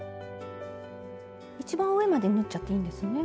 一番上まで縫っちゃっていいんですね。